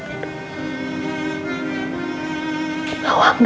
kamu harus belajar